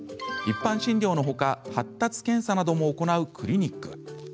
一般診療のほか発達検査なども行うクリニック。